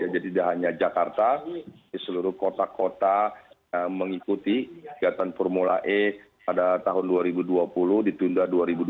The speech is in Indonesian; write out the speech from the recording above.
jadi tidak hanya jakarta di seluruh kota kota mengikuti kegiatan formula e pada tahun dua ribu dua puluh ditunda dua ribu dua puluh dua